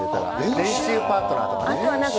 練習パートナーとして。